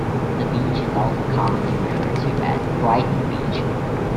The beach is also commonly referred to as Brighton Beach.